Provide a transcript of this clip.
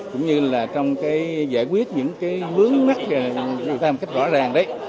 cũng như là trong cái giải quyết những cái vướng mắt người ta một cách rõ ràng đấy